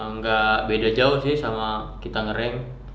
nggak beda jauh sih sama kita ngerem